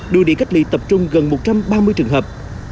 đưa đi cách ly tập trung gần một trăm ba mươi trường hợp